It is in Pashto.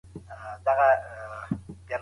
غفور لیوال د پریکړو او معلوماتو اړیکه روښانه کړه.